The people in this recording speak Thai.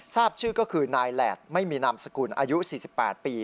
ทราบชื่อก็คือนายแหลดไม่มีนามสกุลอายุ๔๘ปี